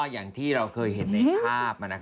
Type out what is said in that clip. อย่างที่เราเคยเห็นในภาพ